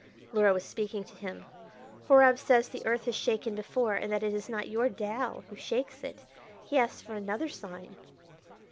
Luhra was speaking to him. "Horab says the earth has shaken before; that it is not your Tao who shakes it. He asks for another sign."